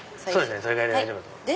それぐらいで大丈夫だと思います。